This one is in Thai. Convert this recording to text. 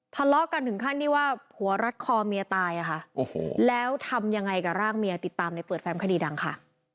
ทะเลาะกันถึงขั้นที่ว่าผัวรัดคอเมียตายอะค่ะโอ้โหแล้วทำยังไงกับร่างเมียติดตามในเปิดแฟมคดีดังค่ะ